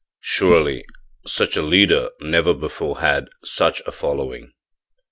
Surely such a leader never before had such a following.